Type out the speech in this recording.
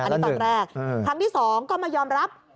อันนี้ตอนแรกครั้งที่๒ก็มายอมรับ